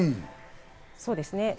そうですね。